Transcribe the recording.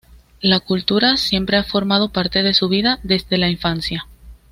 La cultura siempre ha formado parte de su vida, desde la infancia.